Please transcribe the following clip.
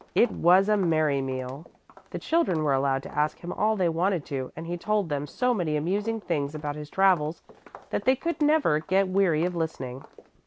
It was a merry meal. The children were allowed to ask him all they wanted to and he told them so many amusing things about his travels that they could never get weary of listening.